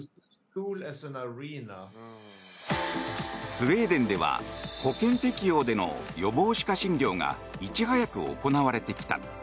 スウェーデンでは保険適用での予防歯科診療がいち早く行われてきた。